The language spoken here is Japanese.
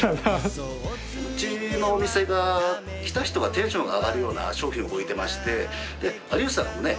うちのお店が来た人がテンションが上がるような商品を置いてまして有吉さんもね